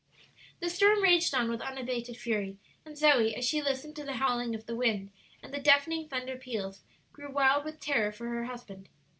The storm raged on with unabated fury, and Zoe, as she listened to the howling of the wind and the deafening thunder peals, grew wild with terror for her husband.